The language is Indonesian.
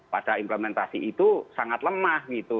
pada implementasi itu sangat lemah gitu